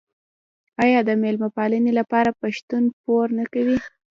آیا د میلمه پالنې لپاره پښتون پور نه کوي؟